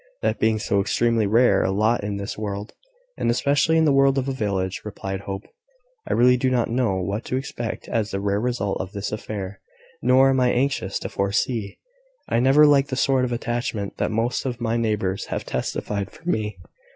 "That being so extremely rare a lot in this world, and especially in the world of a village," replied Hope, "I really do not know what to expect as the last result of this affair, nor am I anxious to foresee. I never liked the sort of attachment that most of my neighbours have testified for me.